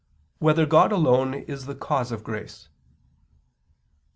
1] Whether God Alone Is the Cause of Grace?